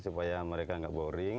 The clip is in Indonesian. supaya mereka nggak boring